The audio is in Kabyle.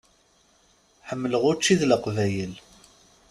Ḥemmleɣ učči d Leqbayel.